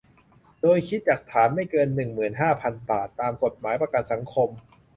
โดยคิดจากฐานไม่เกิน หนึ่งหมื่นห้าพัน บาท ตามกฎหมายประกันสังคม